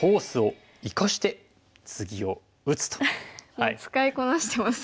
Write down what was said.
もう使いこなしてますね。